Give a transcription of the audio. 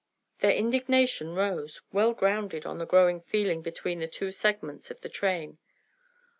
Their indignation rose, well grounded on the growing feeling between the two segments of the train.